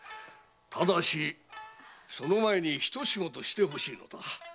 ただしその前にひと仕事してほしいのだ。